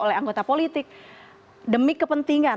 oleh anggota politik demi kepentingan